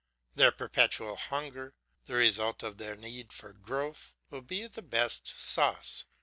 Their perpetual hunger, the result of their need for growth, will be the best sauce.